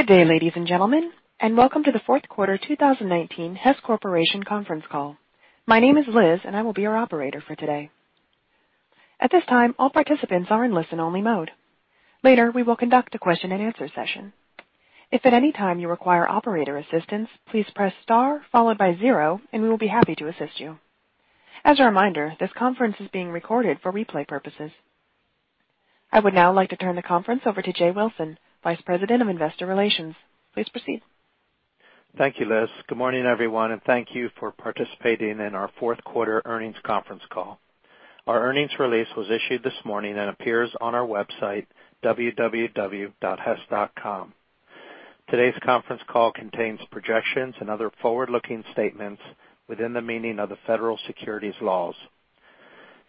Good day, ladies and gentlemen, and welcome to the fourth quarter 2019 Hess Corporation conference call. My name is Liz and I will be your operator for today. At this time, all participants are in listen only mode. Later, we will conduct a question and answer session. If at any time you require operator assistance, please press star followed by zero and we will be happy to assist you. As a reminder, this conference is being recorded for replay purposes. I would now like to turn the conference over to Jay Wilson, Vice President of Investor Relations. Please proceed. Thank you, Liz. Good morning, everyone, and thank you for participating in our fourth quarter earnings conference call. Our earnings release was issued this morning and appears on our website, www.hess.com. Today's conference call contains projections and other forward-looking statements within the meaning of the federal securities laws.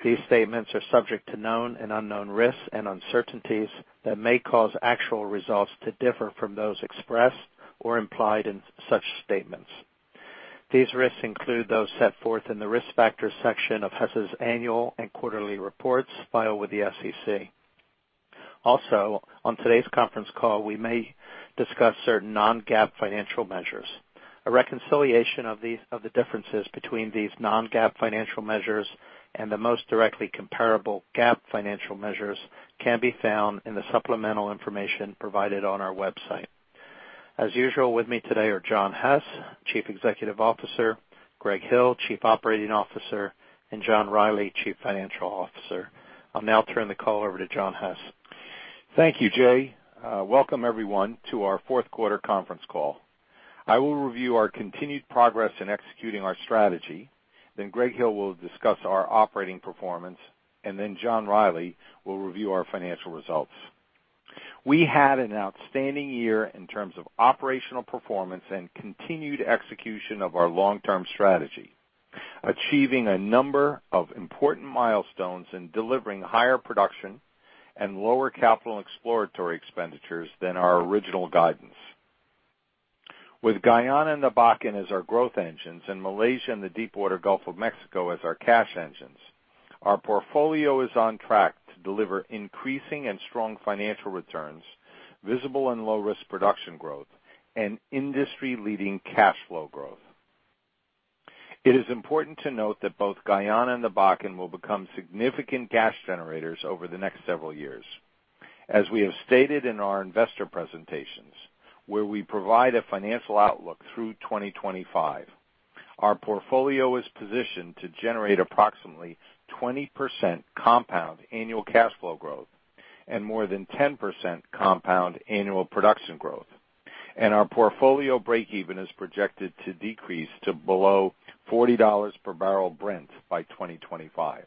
These statements are subject to known and unknown risks and uncertainties that may cause actual results to differ from those expressed or implied in such statements. These risks include those set forth in the Risk Factors section of Hess' annual and quarterly reports filed with the SEC. On today's conference call, we may discuss certain non-GAAP financial measures. A reconciliation of the differences between these non-GAAP financial measures and the most directly comparable GAAP financial measures can be found in the supplemental information provided on our website. As usual, with me today are John Hess, Chief Executive Officer, Greg Hill, Chief Operating Officer, and John Rielly, Chief Financial Officer. I'll now turn the call over to John Hess. Thank you, Jay. Welcome everyone, to our fourth quarter conference call. I will review our continued progress in executing our strategy. Greg Hill will discuss our operating performance, and then John Rielly will review our financial results. We had an outstanding year in terms of operational performance and continued execution of our long-term strategy, achieving a number of important milestones in delivering higher production and lower capital exploratory expenditures than our original guidance. With Guyana and the Bakken as our growth engines and Malaysia and the Deepwater Gulf of Mexico as our cash engines, our portfolio is on track to deliver increasing and strong financial returns, visible and low-risk production growth, and industry-leading cash flow growth. It is important to note that both Guyana and the Bakken will become significant cash generators over the next several years. As we have stated in our investor presentations, where we provide a financial outlook through 2025, our portfolio is positioned to generate approximately 20% compound annual cash flow growth and more than 10% compound annual production growth. Our portfolio breakeven is projected to decrease to below $40 per barrel Brent by 2025.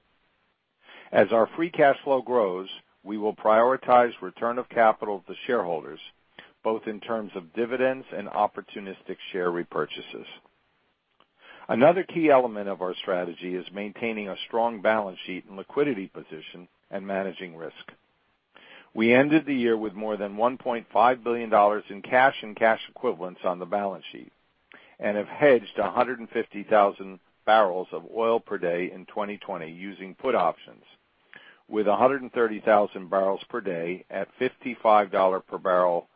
As our free cash flow grows, we will prioritize return of capital to shareholders, both in terms of dividends and opportunistic share repurchases. Another key element of our strategy is maintaining a strong balance sheet and liquidity position and managing risk. We ended the year with more than $1.5 billion in cash and cash equivalents on the balance sheet, and have hedged 150,000 barrels of oil per day in 2020 using put options, with 130,000 barrels per day at $55 per barrel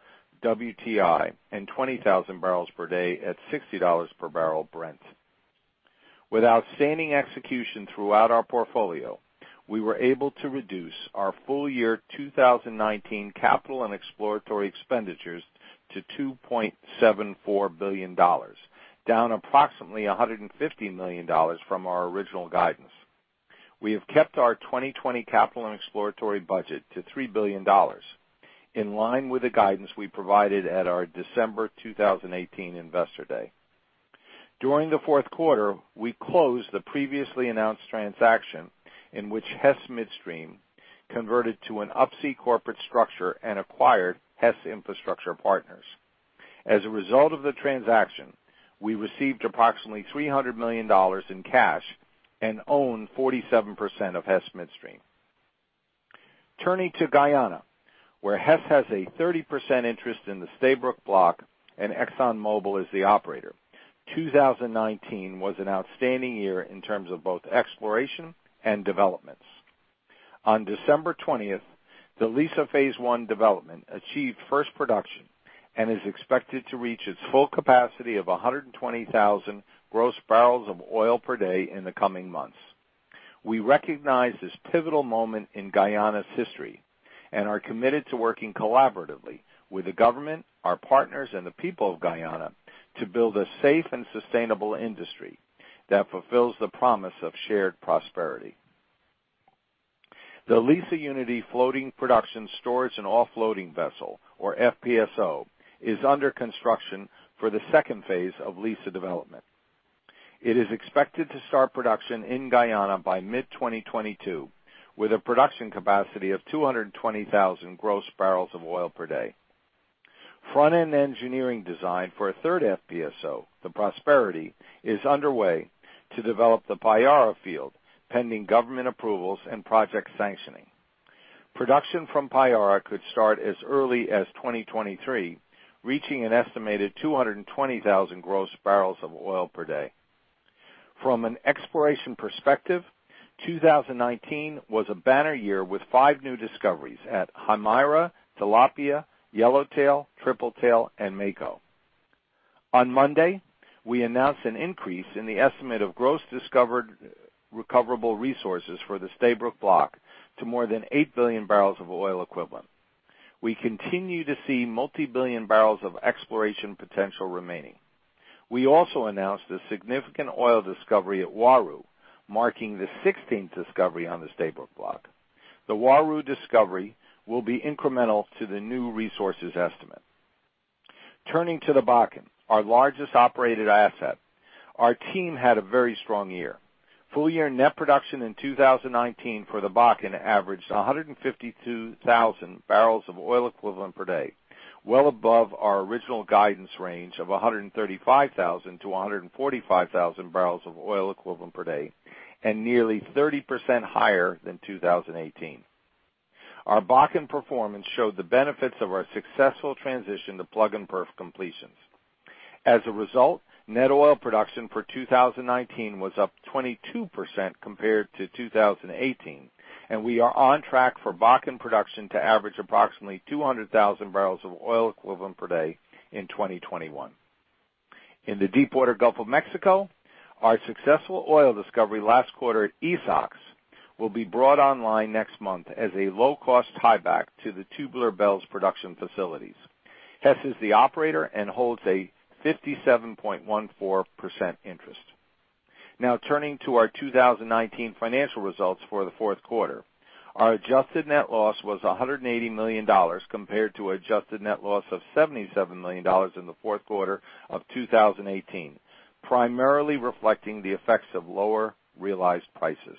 WTI, and 20,000 barrels per day at $60 per barrel Brent. With outstanding execution throughout our portfolio, we were able to reduce our full year 2019 capital and exploratory expenditures to $2.74 billion, down approximately $150 million from our original guidance. We have kept our 2020 capital and exploratory budget to $3 billion, in line with the guidance we provided at our December 2018 Investor Day. During the fourth quarter, we closed the previously announced transaction in which Hess Midstream converted to an Up-C corporate structure and acquired Hess Infrastructure Partners. As a result of the transaction, we received approximately $300 million in cash and own 47% of Hess Midstream. Turning to Guyana, where Hess has a 30% interest in the Stabroek Block and ExxonMobil is the operator, 2019 was an outstanding year in terms of both exploration and developments. On December 20th, the Liza Phase 1 development achieved first production and is expected to reach its full capacity of 120,000 gross barrels of oil per day in the coming months. We recognize this pivotal moment in Guyana's history and are committed to working collaboratively with the government, our partners, and the people of Guyana to build a safe and sustainable industry that fulfills the promise of shared prosperity. The Liza Unity floating production storage and offloading vessel, or FPSO, is under construction for the second phase of Liza development. It is expected to start production in Guyana by mid-2022, with a production capacity of 220,000 gross barrels of oil per day. Front-end engineering design for a third FPSO, the Prosperity, is underway to develop the Payara field, pending government approvals and project sanctioning. Production from Payara could start as early as 2023, reaching an estimated 220,000 gross barrels of oil per day. From an exploration perspective, 2019 was a banner year with five new discoveries at Hammerhead, Tilapia, Yellowtail, Tripletail, and Mako. On Monday, we announced an increase in the estimate of gross discovered recoverable resources for the Stabroek Block to more than eight billion barrels of oil equivalent. We continue to see multi-billion barrels of exploration potential remaining. We also announced a significant oil discovery at Uaru, marking the 16th discovery on the Stabroek Block. The Uaru discovery will be incremental to the new resources estimate. Turning to the Bakken, our largest operated asset. Our team had a very strong year. Full year net production in 2019 for the Bakken averaged 152,000 barrels of oil equivalent per day, well above our original guidance range of 135,000-145,000 barrels of oil equivalent per day, and nearly 30% higher than 2018. Our Bakken performance showed the benefits of our successful transition to plug and perf completions. As a result, net oil production for 2019 was up 22% compared to 2018, and we are on track for Bakken production to average approximately 200,000 barrels of oil equivalent per day in 2021. In the deepwater Gulf of Mexico, our successful oil discovery last quarter at Esox will be brought online next month as a low-cost tieback to the Tubular Bells production facilities. Hess is the operator and holds a 57.14% interest. Now turning to our 2019 financial results for the fourth quarter. Our adjusted net loss was $180 million compared to adjusted net loss of $77 million in the fourth quarter of 2018, primarily reflecting the effects of lower realized prices.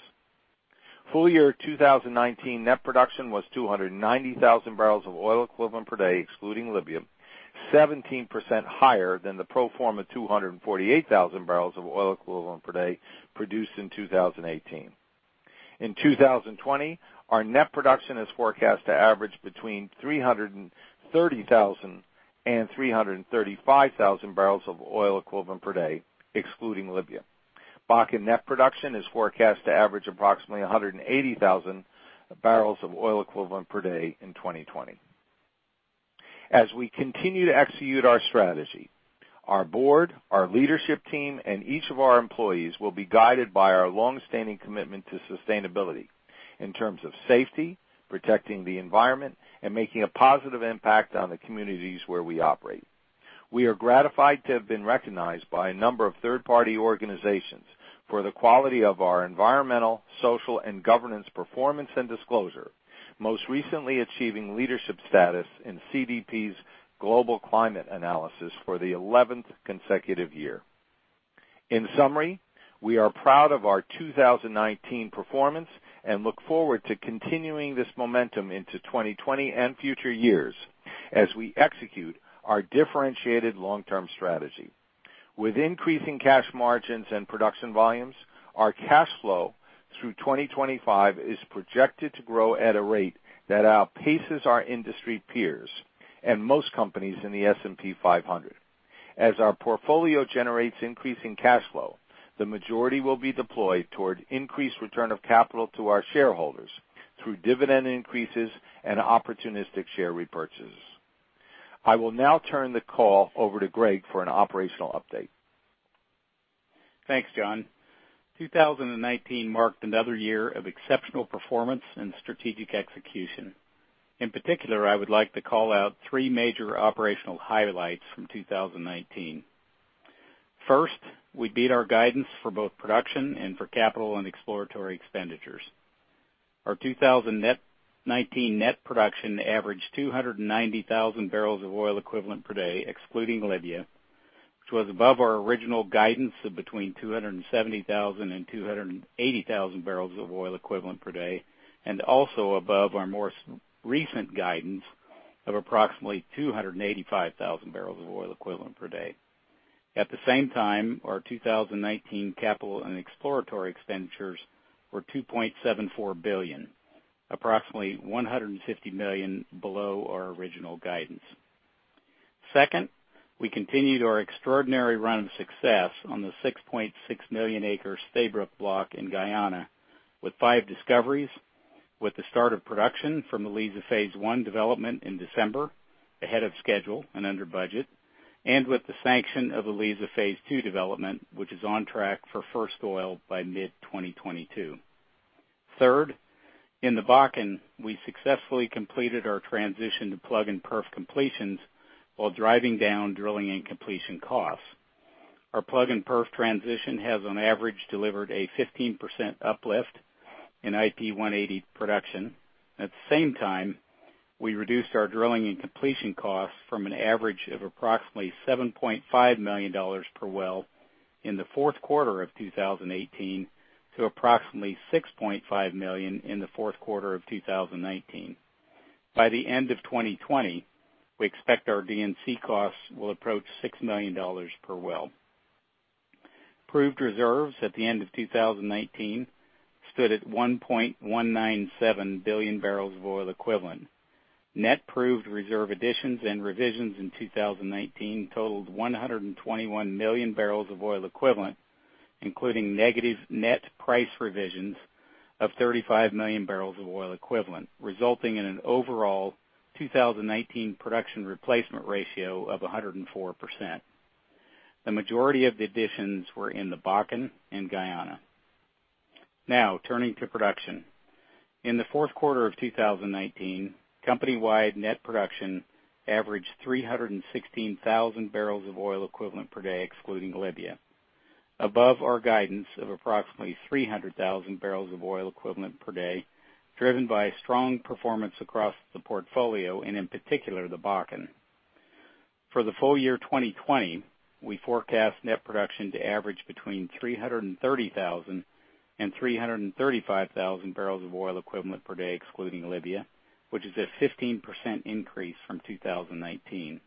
Full year 2019 net production was 290,000 barrels of oil equivalent per day, excluding Libya, 17% higher than the pro forma 248,000 barrels of oil equivalent per day produced in 2018. In 2020, our net production is forecast to average between 330,000 and 335,000 barrels of oil equivalent per day, excluding Libya. Bakken net production is forecast to average approximately 180,000 barrels of oil equivalent per day in 2020. As we continue to execute our strategy, our board, our leadership team, and each of our employees will be guided by our longstanding commitment to sustainability in terms of safety, protecting the environment, and making a positive impact on the communities where we operate. We are gratified to have been recognized by a number of third-party organizations for the quality of our environmental, social, and governance performance and disclosure, most recently achieving leadership status in CDP's global climate analysis for the 11th consecutive year. In summary, we are proud of our 2019 performance and look forward to continuing this momentum into 2020 and future years as we execute our differentiated long-term strategy. With increasing cash margins and production volumes, our cash flow through 2025 is projected to grow at a rate that outpaces our industry peers and most companies in the S&P 500. As our portfolio generates increasing cash flow, the majority will be deployed toward increased return of capital to our shareholders through dividend increases and opportunistic share repurchases. I will now turn the call over to Greg for an operational update. Thanks, John. 2019 marked another year of exceptional performance and strategic execution. In particular, I would like to call out three major operational highlights from 2019. First, we beat our guidance for both production and for capital and exploratory expenditures. Our 2019 net production averaged 290,000 barrels of oil equivalent per day, excluding Libya, which was above our original guidance of between 270,000 and 280,000 barrels of oil equivalent per day, and also above our more recent guidance of approximately 285,000 barrels of oil equivalent per day. At the same time, our 2019 capital and exploratory expenditures were $2.74 billion, approximately $150 million below our original guidance. Second, we continued our extraordinary run of success on the 6.6 million acre Stabroek Block in Guyana with five discoveries, with the start of production from the Liza Phase One development in December, ahead of schedule and under budget, and with the sanction of the Liza Phase Two development, which is on track for first oil by mid-2022. Third, in the Bakken, we successfully completed our transition to plug and perf completions while driving down drilling and completion costs. Our plug and perf transition has on average delivered a 15% uplift in IP 180 production. At the same time, we reduced our drilling and completion costs from an average of approximately $7.5 million per well in the fourth quarter of 2018 to approximately $6.5 million in the fourth quarter of 2019. By the end of 2020, we expect our D&C costs will approach $6 million per well. Proved reserves at the end of 2019 stood at 1.197 billion barrels of oil equivalent. Net proved reserve additions and revisions in 2019 totaled 121 million barrels of oil equivalent, including negative net price revisions of 35 million barrels of oil equivalent, resulting in an overall 2019 production replacement ratio of 104%. The majority of the additions were in the Bakken and Guyana. Now turning to production. In the fourth quarter of 2019, company-wide net production averaged 316,000 barrels of oil equivalent per day, excluding Libya, above our guidance of approximately 300,000 barrels of oil equivalent per day, driven by strong performance across the portfolio, and in particular, the Bakken. For the full year 2020, we forecast net production to average between 330,000 and 335,000 barrels of oil equivalent per day, excluding Libya, which is a 15% increase from 2019.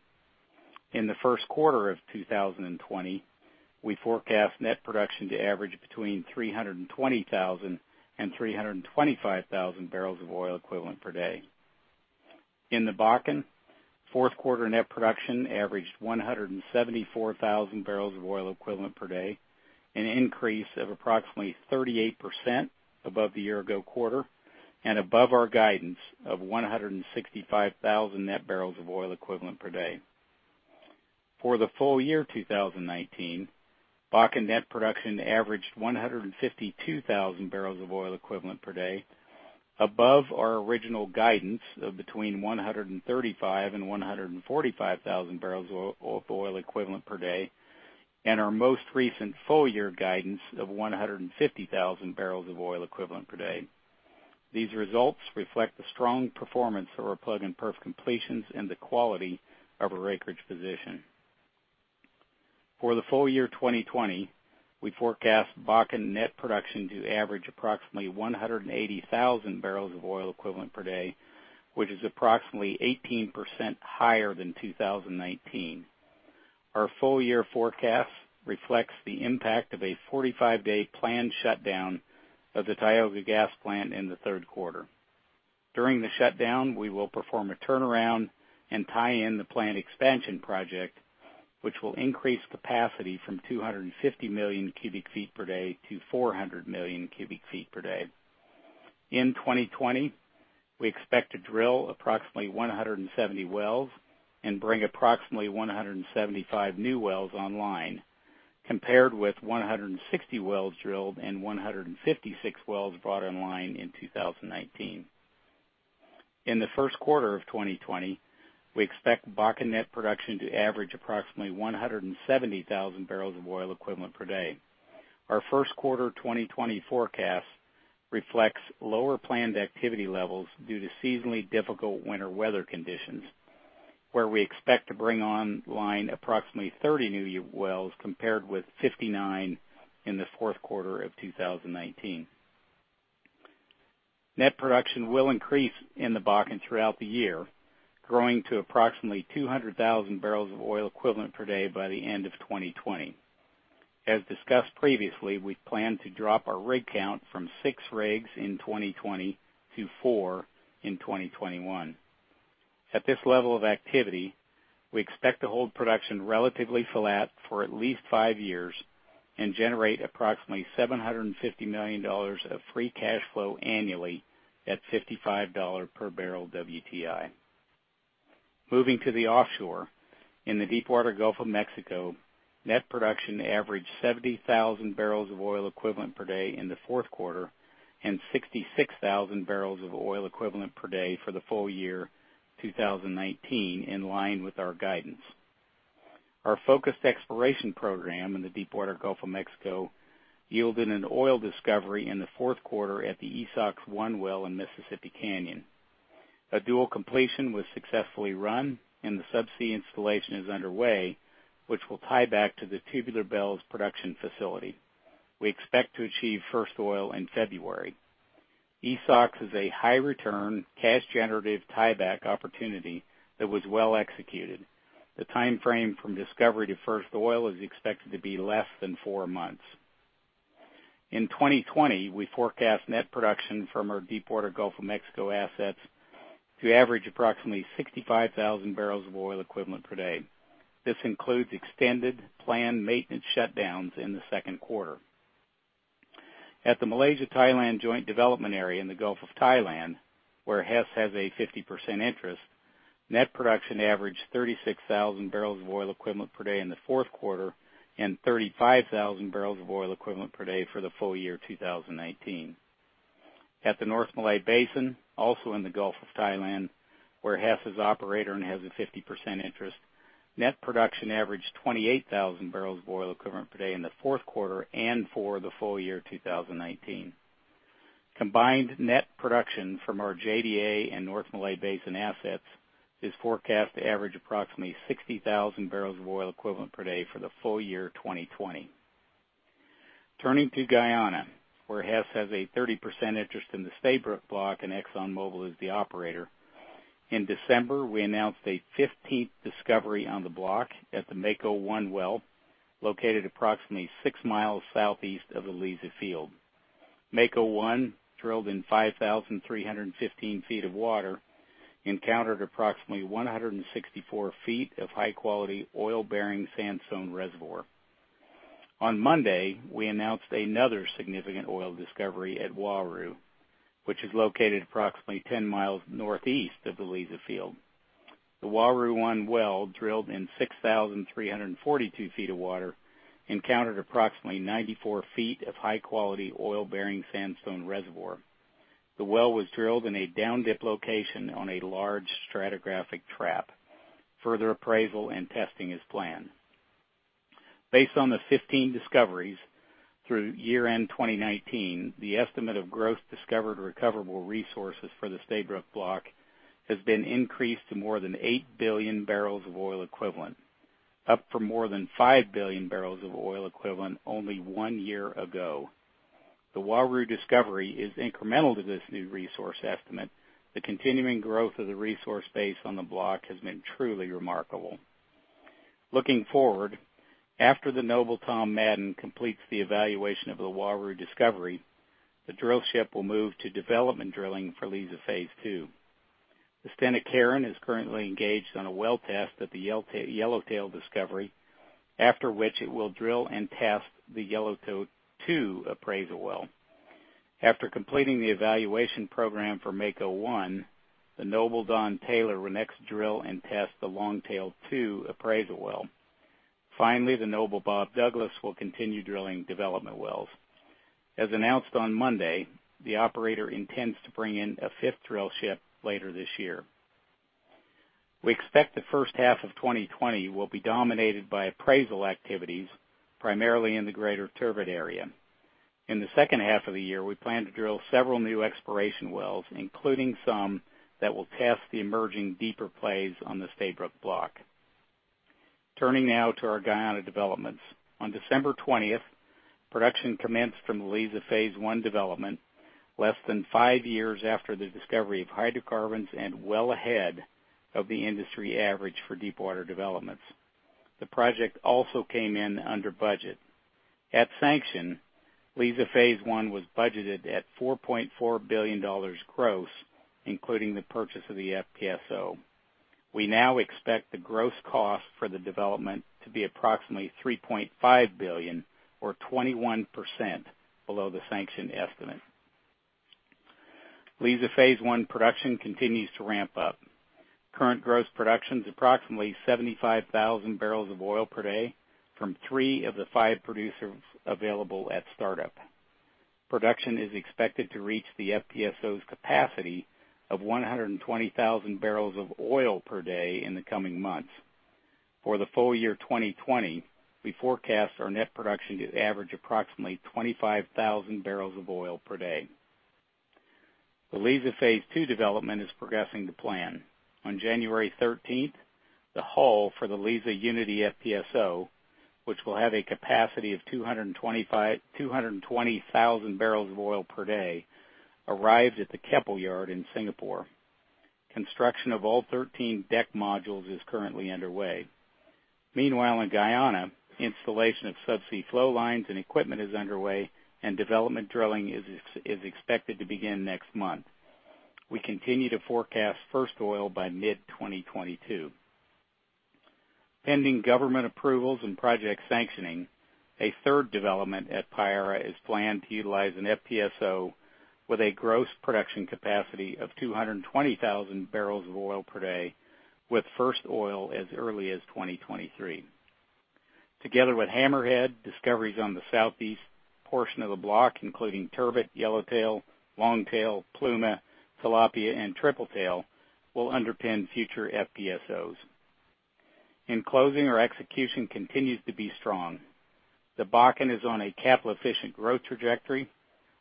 In the first quarter of 2020, we forecast net production to average between 320,000 and 325,000 barrels of oil equivalent per day. In the Bakken, fourth quarter net production averaged 174,000 barrels of oil equivalent per day, an increase of approximately 38% above the year ago quarter, and above our guidance of 165,000 net barrels of oil equivalent per day. For the full year 2019, Bakken net production averaged 152,000 barrels of oil equivalent per day, above our original guidance of between 135,000 and 145,000 barrels of oil equivalent per day, and our most recent full year guidance of 150,000 barrels of oil equivalent per day. These results reflect the strong performance of our plug and perf completions and the quality of our acreage position. For the full year 2020, we forecast Bakken net production to average approximately 180,000 barrels of oil equivalent per day, which is approximately 18% higher than 2019. Our full year forecast reflects the impact of a 45-day planned shutdown of the Tioga Gas Plant in the third quarter. During the shutdown, we will perform a turnaround and tie in the plant expansion project, which will increase capacity from 250 million cubic feet per day to 400 million cubic feet per day. In 2020, we expect to drill approximately 170 wells and bring approximately 175 new wells online, compared with 160 wells drilled and 156 wells brought online in 2019. In the first quarter of 2020, we expect Bakken net production to average approximately 170,000 barrels of oil equivalent per day. Our first quarter 2020 forecast reflects lower planned activity levels due to seasonally difficult winter weather conditions, where we expect to bring online approximately 30 new wells compared with 59 in the fourth quarter of 2019. Net production will increase in the Bakken throughout the year, growing to approximately 200,000 barrels of oil equivalent per day by the end of 2020. As discussed previously, we plan to drop our rig count from six rigs in 2020 to four in 2021. At this level of activity, we expect to hold production relatively flat for at least five years and generate approximately $750 million of free cash flow annually at $55 per barrel WTI. Moving to the offshore. In the Deepwater Gulf of Mexico, net production averaged 70,000 barrels of oil equivalent per day in the fourth quarter and 66,000 barrels of oil equivalent per day for the full year 2019, in line with our guidance. Our focused exploration program in the Deepwater Gulf of Mexico yielded an oil discovery in the fourth quarter at the Esox-1 well in Mississippi Canyon. A dual completion was successfully run, and the subsea installation is underway, which will tie back to the Tubular Bells production facility. We expect to achieve first oil in February. Esox is a high return, cash generative tieback opportunity that was well executed. The timeframe from discovery to first oil is expected to be less than four months. In 2020, we forecast net production from our Deepwater Gulf of Mexico assets to average approximately 65,000 barrels of oil equivalent per day. This includes extended planned maintenance shutdowns in the second quarter. At the Malaysia Thailand joint development area in the Gulf of Thailand, where Hess has a 50% interest, net production averaged 36,000 barrels of oil equivalent per day in the fourth quarter and 35,000 barrels of oil equivalent per day for the full year 2019. At the North Malay Basin, also in the Gulf of Thailand, where Hess is operator and has a 50% interest, net production averaged 28,000 barrels of oil equivalent per day in the fourth quarter and for the full year 2019. Combined net production from our JDA and North Malay Basin assets is forecast to average approximately 60,000 barrels of oil equivalent per day for the full year 2020. Turning to Guyana, where Hess has a 30% interest in the Stabroek Block and ExxonMobil is the operator. In December, we announced a 15th discovery on the block at the Mako-1 well, located approximately six miles southeast of the Liza field. Mako-1 drilled in 5,315 feet of water, encountered approximately 164 feet of high-quality oil-bearing sandstone reservoir. On Monday, we announced another significant oil discovery at Uaru, which is located approximately 10 miles northeast of the Liza field. The Uaru-1 well, drilled in 6,342 feet of water, encountered approximately 94 feet of high-quality oil-bearing sandstone reservoir. The well was drilled in a down-dip location on a large stratigraphic trap. Further appraisal and testing is planned. Based on the 15 discoveries through year-end 2019, the estimate of gross discovered recoverable resources for the Stabroek Block has been increased to more than eight billion barrels of oil equivalent, up from more than five billion barrels of oil equivalent only one year ago. The Uaru discovery is incremental to this new resource estimate. The continuing growth of the resource base on the block has been truly remarkable. Looking forward, after the Noble Tom Madden completes the evaluation of the Uaru discovery, the drill ship will move to development drilling for Liza Phase 2. The Stena Carron is currently engaged on a well test at the Yellowtail discovery, after which it will drill and test the Yellowtail-2 appraisal well. After completing the evaluation program for Mako-1, the Noble Don Taylor will next drill and test the Longtail-2 appraisal well. Finally, the Noble Bob Douglas will continue drilling development wells. As announced on Monday, the operator intends to bring in a fifth drill ship later this year. We expect the first half of 2020 will be dominated by appraisal activities, primarily in the greater Turbot area. In the second half of the year, we plan to drill several new exploration wells, including some that will test the emerging deeper plays on the Stabroek Block. Turning now to our Guyana developments. On December 20th, production commenced from the Liza Phase 1 development, less than five years after the discovery of hydrocarbons and well ahead of the industry average for deep water developments. The project also came in under budget. At sanction, Liza Phase 1 was budgeted at $4.4 billion gross, including the purchase of the FPSO. We now expect the gross cost for the development to be approximately $3.5 billion, or 21% below the sanction estimate. Liza Phase 1 production continues to ramp up. Current gross production's approximately 75,000 barrels of oil per day from three of the five producers available at startup. Production is expected to reach the FPSO's capacity of 120,000 barrels of oil per day in the coming months. For the full year 2020, we forecast our net production to average approximately 25,000 barrels of oil per day. The Liza Phase 2 development is progressing to plan. On January 13th, the hull for the Liza Unity FPSO, which will have a capacity of 220,000 barrels of oil per day, arrived at the Keppel yard in Singapore. Construction of all 13 deck modules is currently underway. Meanwhile, in Guyana, installation of subsea flow lines and equipment is underway, and development drilling is expected to begin next month. We continue to forecast first oil by mid-2022. Pending government approvals and project sanctioning, a third development at Payara is planned to utilize an FPSO with a gross production capacity of 220,000 barrels of oil per day, with first oil as early as 2023. Together with Hammerhead, discoveries on the southeast portion of the block, including Turbot, Yellowtail, Longtail, Pluma, Tilapia, and Tripletail, will underpin future FPSOs. In closing, our execution continues to be strong. The Bakken is on a capital-efficient growth trajectory.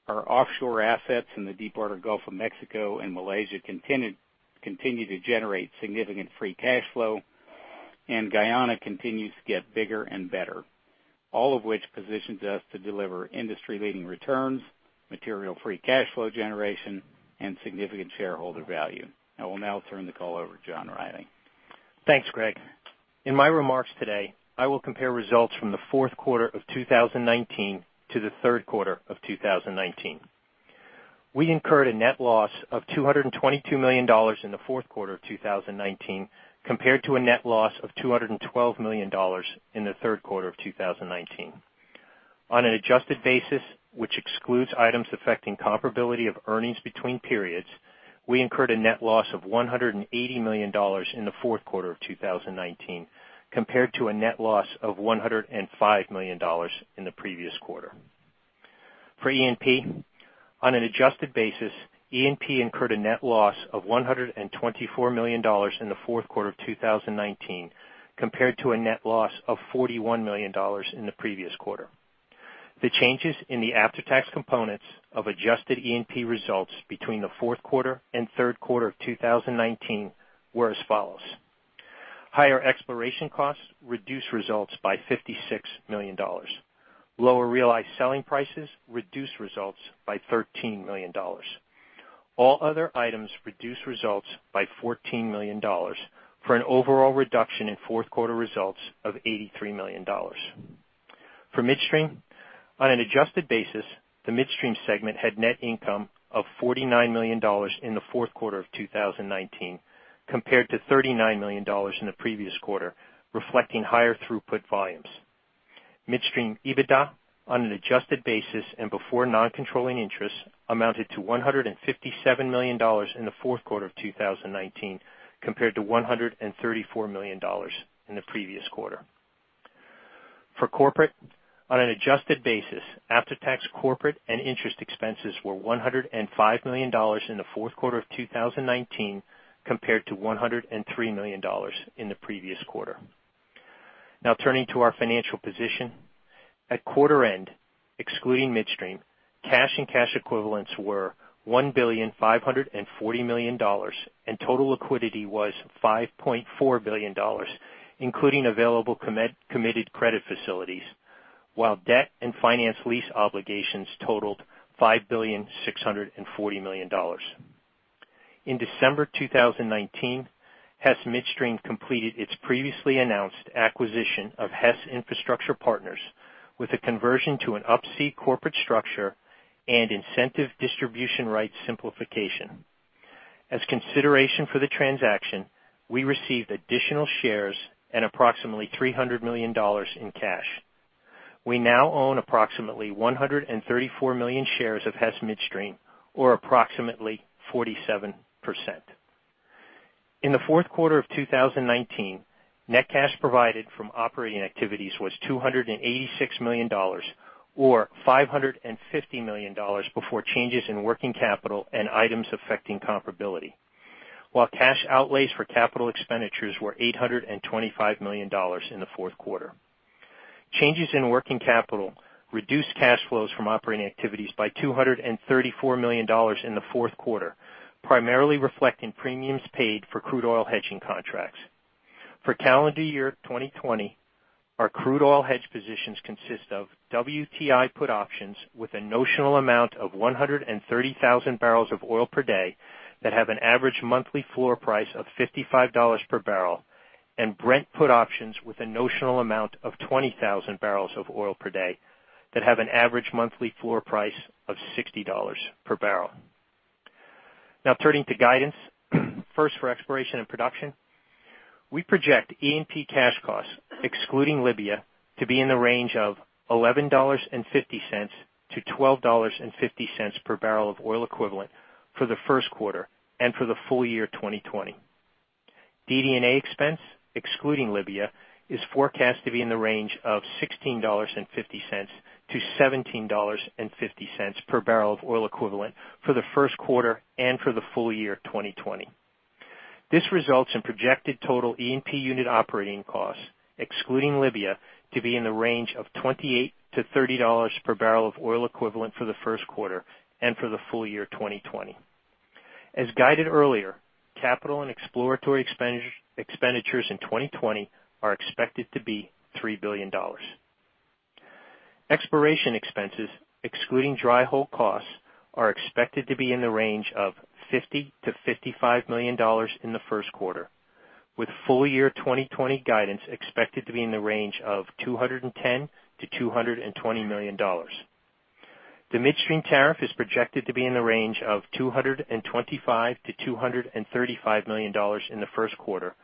Our offshore assets in the deepwater Gulf of Mexico and Malaysia continue to generate significant free cash flow, and Guyana continues to get bigger and better. All of which positions us to deliver industry-leading returns, material free cash flow generation, and significant shareholder value. I will now turn the call over to John Rielly. Thanks, Greg. In my remarks today, I will compare results from the fourth quarter of 2019 to the third quarter of 2019. We incurred a net loss of $222 million in the fourth quarter of 2019, compared to a net loss of $212 million in the third quarter of 2019. On an adjusted basis, which excludes items affecting comparability of earnings between periods, we incurred a net loss of $180 million in the fourth quarter of 2019, compared to a net loss of $105 million in the previous quarter. For E&P, on an adjusted basis, E&P incurred a net loss of $124 million in the fourth quarter of 2019, compared to a net loss of $41 million in the previous quarter. The changes in the after-tax components of adjusted E&P results between the fourth quarter and third quarter of 2019 were as follows. Higher exploration costs reduced results by $56 million. Lower realized selling prices reduced results by $13 million. All other items reduce results by $14 million for an overall reduction in fourth quarter results of $83 million. For Midstream, on an adjusted basis, the Midstream segment had net income of $49 million in the fourth quarter of 2019 compared to $39 million in the previous quarter, reflecting higher throughput volumes. Midstream EBITDA on an adjusted basis and before non-controlling interests amounted to $157 million in the fourth quarter of 2019 compared to $134 million in the previous quarter. For corporate, on an adjusted basis, after-tax corporate and interest expenses were $105 million in the fourth quarter of 2019 compared to $103 million in the previous quarter. Now turning to our financial position. At quarter end, excluding midstream, cash and cash equivalents were $1 billion, 540 million and total liquidity was $5.4 billion, including available committed credit facilities, while debt and finance lease obligations totaled $5 billion, 640 million. In December 2019, Hess Midstream completed its previously announced acquisition of Hess Infrastructure Partners with a conversion to an Up-C corporate structure and incentive distribution right simplification. As consideration for the transaction, we received additional shares and approximately $300 million in cash. We now own approximately 134 million shares of Hess Midstream, or approximately 47%. In the fourth quarter of 2019, net cash provided from operating activities was $286 million or $550 million before changes in working capital and items affecting comparability. While cash outlays for capital expenditures were $825 million in the fourth quarter. Changes in working capital reduced cash flows from operating activities by $234 million in the fourth quarter, primarily reflecting premiums paid for crude oil hedging contracts. For calendar year 2020, our crude oil hedge positions consist of WTI put options with a notional amount of 130,000 barrels of oil per day that have an average monthly floor price of $55 per barrel, and Brent put options with a notional amount of 20,000 barrels of oil per day that have an average monthly floor price of $60 per barrel. Now turning to guidance. First, for exploration and production. We project E&P cash costs, excluding Libya, to be in the range of $11.50-$12.50 per barrel of oil equivalent for the first quarter and for the full year 2020. DD&A expense, excluding Libya, is forecast to be in the range of $16.50-$17.50 per barrel of oil equivalent for the first quarter and for the full year 2020. This results in projected total E&P unit operating costs, excluding Libya, to be in the range of $28-$30 per barrel of oil equivalent for the first quarter and for the full year 2020. As guided earlier, capital and exploratory expenditures in 2020 are expected to be $3 billion. Exploration expenses, excluding dry hole costs, are expected to be in the range of $50 million-$55 million in the first quarter, with full year 2020 guidance expected to be in the range of $210 million-$220 million. The midstream tariff is projected to be in the range of $225 million-$235 million in the first quarter,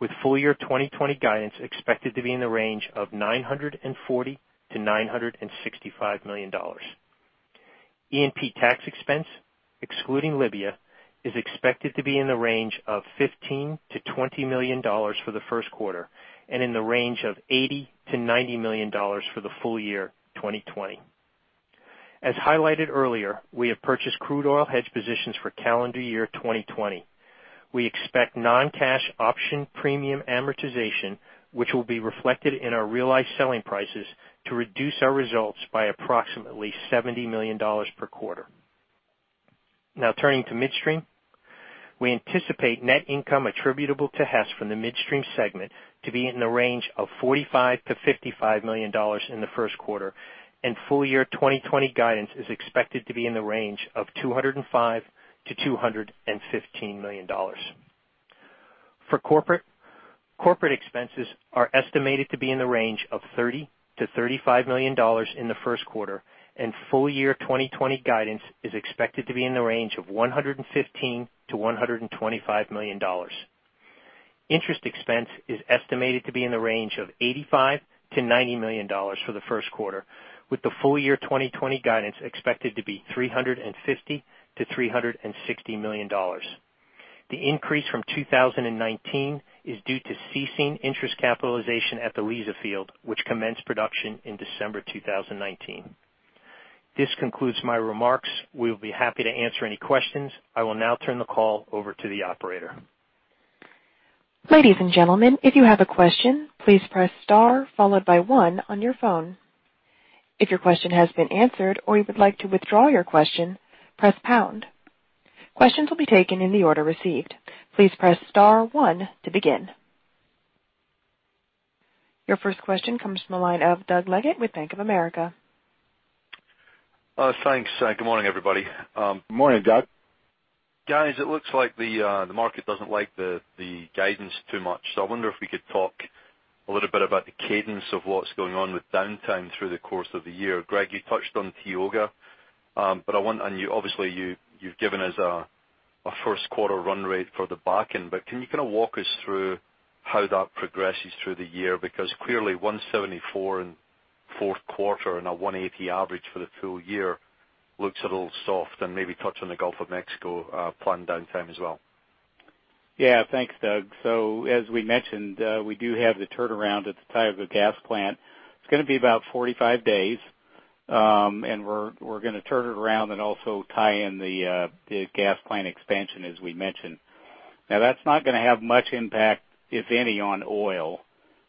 with full year 2020 guidance expected to be in the range of $940 million-$965 million. E&P tax expense, excluding Libya, is expected to be in the range of $15 million-$20 million for the first quarter, and in the range of $80 million-$90 million for the full year 2020. As highlighted earlier, we have purchased crude oil hedge positions for calendar year 2020. We expect non-cash option premium amortization, which will be reflected in our realized selling prices, to reduce our results by approximately $70 million per quarter. Now turning to midstream. We anticipate net income attributable to Hess from the midstream segment to be in the range of $45 million-$55 million in the first quarter. Full year 2020 guidance is expected to be in the range of $205 million-$215 million. For corporate expenses are estimated to be in the range of $30 million-$35 million in the first quarter. Full year 2020 guidance is expected to be in the range of $115 million-$125 million. Interest expense is estimated to be in the range of $85 million-$90 million for the first quarter, with the full year 2020 guidance expected to be $350 million-$360 million. The increase from 2019 is due to ceasing interest capitalization at the Liza field, which commenced production in December 2019. This concludes my remarks. We will be happy to answer any questions. I will now turn the call over to the operator. Ladies and gentlemen, if you have a question, please press star followed by one on your phone. If your question has been answered or you would like to withdraw your question, press pound. Questions will be taken in the order received. Please press star one to begin. Your first question comes from the line of Doug Leggate with Bank of America. Thanks. Good morning, everybody. Good morning, Doug. Guys, it looks like the market doesn't like the guidance too much. I wonder if we could talk a little bit about the cadence of what's going on with downtime through the course of the year. Greg, you touched on Tioga, and obviously, you've given us a first quarter run rate for the Bakken, but can you walk us through how that progresses through the year? Clearly, 174 in fourth quarter and a 180 average for the full year looks a little soft, and maybe touch on the Gulf of Mexico planned downtime as well. Yeah, thanks, Doug. As we mentioned, we do have the turnaround at the Tioga Gas Plant. It's going to be about 45 days, and we're going to turn it around and also tie in the gas plant expansion, as we mentioned. That's not going to have much impact, if any, on oil.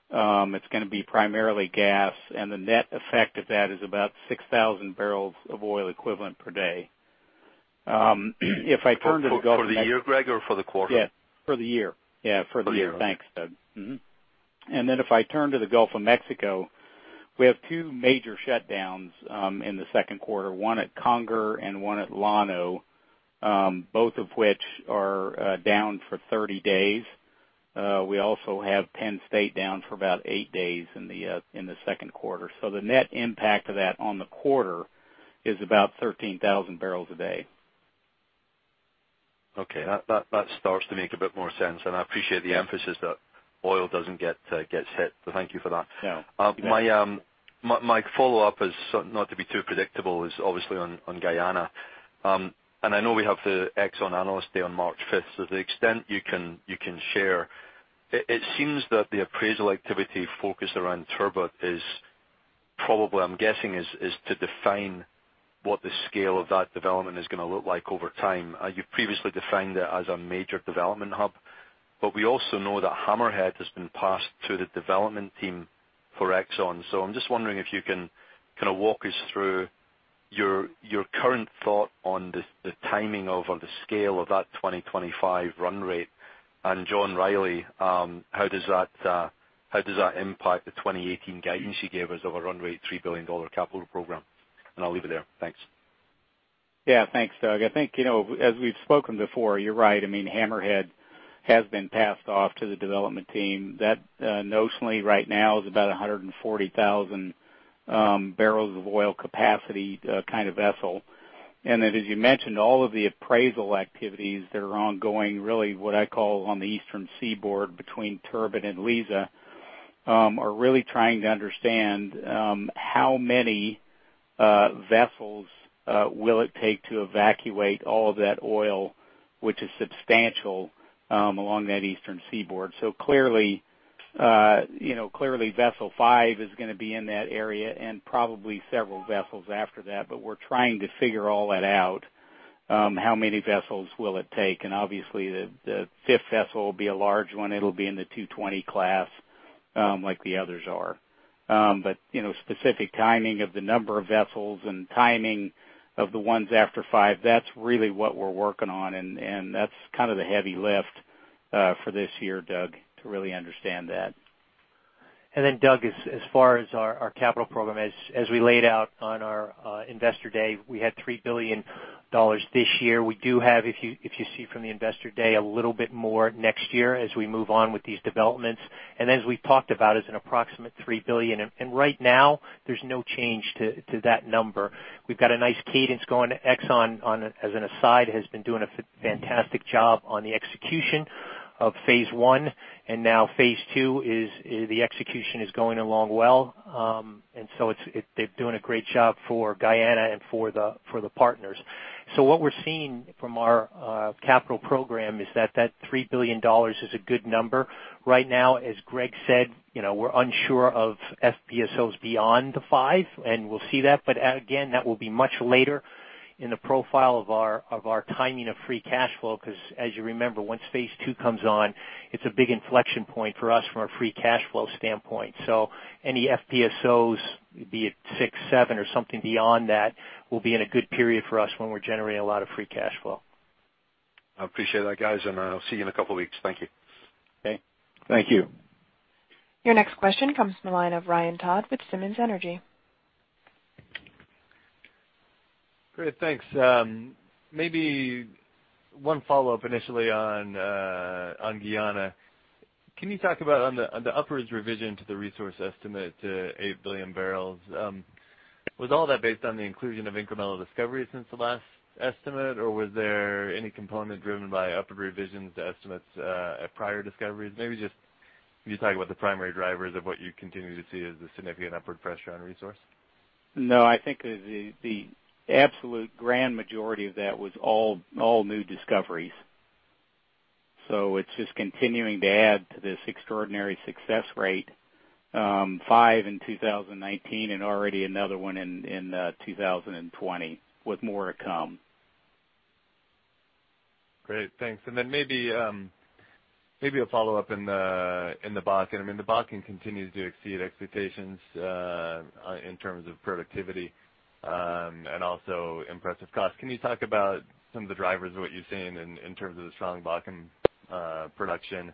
It's going to be primarily gas, and the net effect of that is about 6,000 barrels of oil equivalent per day. If I turn to the Gulf of Mexico. For the year, Greg, or for the quarter? For the year. Yeah. For the year. Thanks, Doug. If I turn to the Gulf of Mexico, we have two major shutdowns in the second quarter, one at Conger and one at Llano, both of which are down for 30 days. We also have Penn State down for about eight days in the second quarter. The net impact of that on the quarter is about 13,000 barrels a day. Okay. That starts to make a bit more sense, I appreciate the emphasis that oil doesn't get hit. Thank you for that. Yeah. My follow-up, not to be too predictable, is obviously on Guyana. I know we have the ExxonMobil analyst day on March 5th. To the extent you can share, it seems that the appraisal activity focused around Turbot is probably, I'm guessing, is to define what the scale of that development is going to look like over time. You've previously defined it as a major development hub, but we also know that Hammerhead has been passed to the development team for ExxonMobil. I'm just wondering if you can walk us through your current thought on the timing of, or the scale of that 2025 run rate. John Rielly, how does that impact the 2018 guidance you gave us of a run rate $3 billion capital program? I'll leave it there. Thanks. Thanks, Doug. I think, as we've spoken before, you're right. Hammerhead has been passed off to the development team. That notionally right now is about 140,000 barrels of oil capacity kind of vessel. As you mentioned, all of the appraisal activities that are ongoing, really what I call on the eastern seaboard between Turbot and Liza, are really trying to understand how many vessels will it take to evacuate all of that oil, which is substantial, along that eastern seaboard. Clearly, vessel five is going to be in that area and probably several vessels after that, we're trying to figure all that out. How many vessels will it take? Obviously, the fifth vessel will be a large one. It'll be in the 220 class, like the others are. Specific timing of the number of vessels and timing of the ones after five, that's really what we're working on, and that's kind of the heavy lift for this year, Doug, to really understand that. Doug, as far as our capital program, as we laid out on our Investor Day, we had $3 billion this year. We do have, if you see from the Investor Day, a little bit more next year as we move on with these developments. As we've talked about, is an approximate $3 billion. Right now, there's no change to that number. We've got a nice cadence going. ExxonMobil, as an aside, has been doing a fantastic job on the execution of Phase 1, and now Phase 2, the execution is going along well. They're doing a great job for Guyana and for the partners. What we're seeing from our capital program is that that $3 billion is a good number. Right now, as Greg said, we're unsure of FPSOs beyond the five, and we'll see that, but again, that will be much later in the profile of our timing of free cash flow, because as you remember, once Phase Two comes on, it's a big inflection point for us from a free cash flow standpoint. Any FPSOs, be it six, seven, or something beyond that, will be in a good period for us when we're generating a lot of free cash flow. I appreciate that, guys. I'll see you in a couple of weeks. Thank you. Okay. Thank you. Your next question comes from the line of Ryan Todd with Simmons Energy. Great. Thanks. Maybe one follow-up initially on Guyana. Can you talk about on the upwards revision to the resource estimate to 8 billion barrels? Was all that based on the inclusion of incremental discoveries since the last estimate, or was there any component driven by upward revisions to estimates at prior discoveries? Maybe just can you talk about the primary drivers of what you continue to see as a significant upward pressure on resource? I think the absolute grand majority of that was all new discoveries. It's just continuing to add to this extraordinary success rate. Five in 2019 and already another one in 2020, with more to come. Great, thanks. Maybe a follow-up in the Bakken. I mean, the Bakken continues to exceed expectations in terms of productivity, and also impressive cost. Can you talk about some of the drivers of what you're seeing in terms of the strong Bakken production?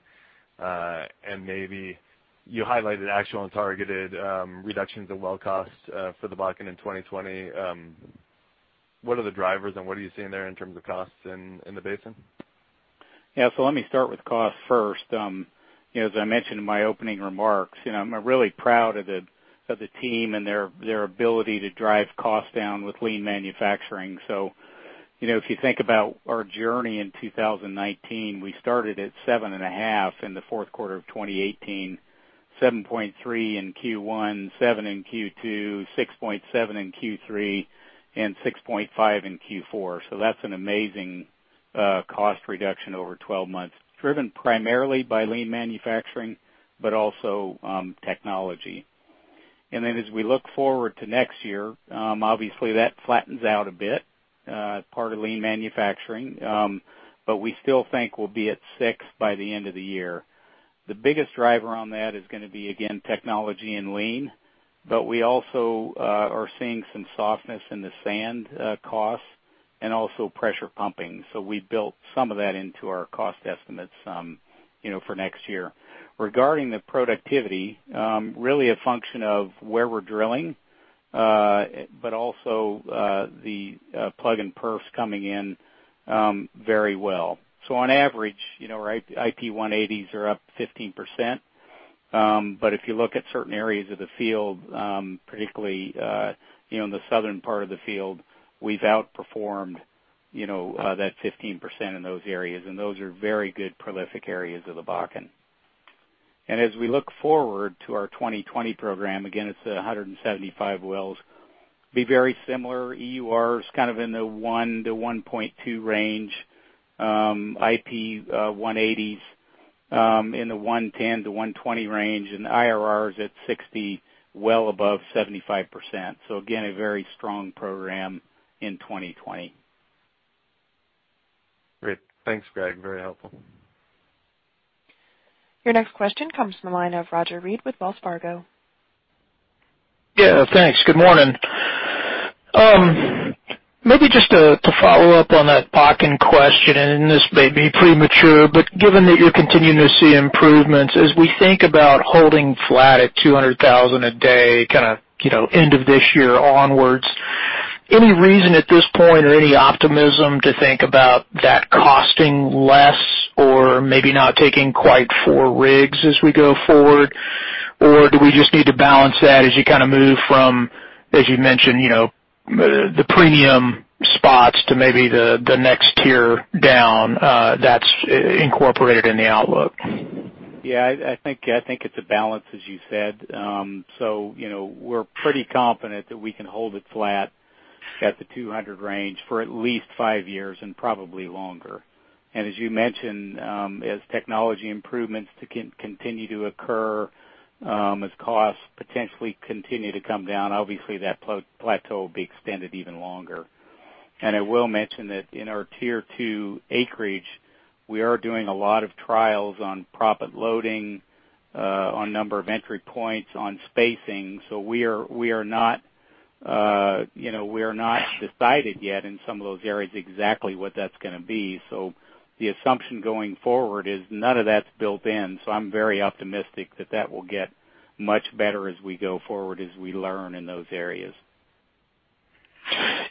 You highlighted actual and targeted reductions in well cost for the Bakken in 2020. What are the drivers and what are you seeing there in terms of costs in the basin? Let me start with cost first. As I mentioned in my opening remarks, I'm really proud of the team and their ability to drive costs down with lean manufacturing. If you think about our journey in 2019, we started at 7.5 in the fourth quarter of 2018, 7.3 in Q1, 7 in Q2, 6.7 in Q3, and 6.5 in Q4. That's an amazing cost reduction over 12 months, driven primarily by lean manufacturing, but also technology. As we look forward to next year, obviously, that flattens out a bit, part of lean manufacturing. We still think we'll be at 6 by the end of the year. The biggest driver on that is going to be, again, technology and lean, but we also are seeing some softness in the sand costs and also pressure pumping. We built some of that into our cost estimates for next year. Regarding the productivity, really a function of where we're drilling, but also the plug and perf coming in very well. On average, our IP 180s are up 15%. If you look at certain areas of the field, particularly, in the southern part of the field, we've outperformed that 15% in those areas, and those are very good prolific areas of the Bakken. As we look forward to our 2020 program, again, it's 175 wells, be very similar. EUR is in the one to 1.2 range. IP 180s in the 110-120 range, and IRRs at 60, well above 75%. Again, a very strong program in 2020. Great. Thanks, Greg. Very helpful. Your next question comes from the line of Roger Read with Wells Fargo. Yeah, thanks. Good morning. Maybe just to follow up on that Bakken question, and this may be premature, but given that you're continuing to see improvements, as we think about holding flat at 200,000 a day end of this year onwards, any reason at this point or any optimism to think about that costing less or maybe not taking quite four rigs as we go forward? Do we just need to balance that as you move from, as you mentioned, the premium spots to maybe the next tier down that's incorporated in the outlook? Yeah, I think it's a balance, as you said. We're pretty confident that we can hold it flat at the 200 range for at least five years and probably longer. As you mentioned, as technology improvements continue to occur, as costs potentially continue to come down, obviously that plateau will be extended even longer. I will mention that in our tier 2 acreage, we are doing a lot of trials on proppant loading, on number of entry points, on spacing. We are not decided yet in some of those areas exactly what that's going to be. The assumption going forward is none of that's built in. I'm very optimistic that that will get much better as we go forward, as we learn in those areas.